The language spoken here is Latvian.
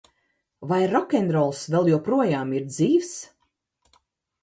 Vai rokenrols vēl joprojām ir dzīvs?